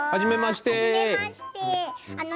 はじめまして。